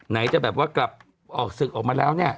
ไหนจะแบบกลับออกสึกมาแล้วเนี่ย